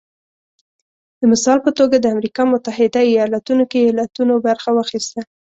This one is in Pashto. د مثال په توګه د امریکا متحده ایالتونو کې ایالتونو برخه واخیسته